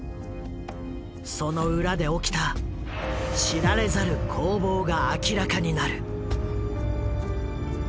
その裏で起きた知られざる攻防が明らかになる。